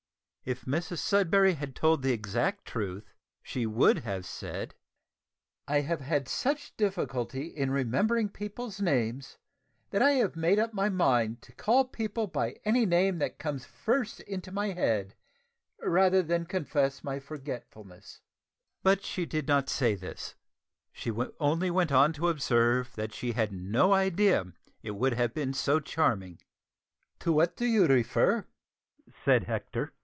If Mrs Sudberry had told the exact truth she would have said, "I have such difficulty in remembering people's names that I have made up my mind to call people by any name that comes first into my head rather than confess my forgetfulness." But she did not say this; she only went on to observe that she had no idea it would have been so charming. "To what do you refer?"